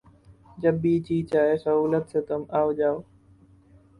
جب بھی جی چاہے سہولت سے تُم آؤ جاؤ